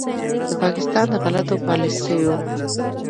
د پاکستان د غلطو پالیسیو